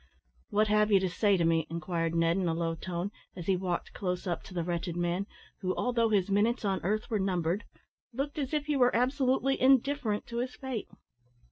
"What have you to say to me?" inquired Ned, in a low tone, as he walked close up to the wretched man, who, although his minutes on earth were numbered, looked as if he were absolutely indifferent to his fate.